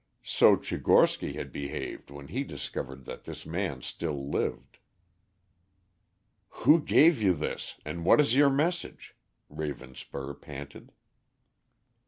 So Tchigorsky had behaved when he discovered that this man still lived. "Who gave you this, and what is your message?" Ravenspur panted.